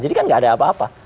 jadi kan gak ada apa apa